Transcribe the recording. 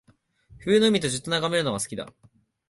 冬の海をじっと眺めるのが好きだ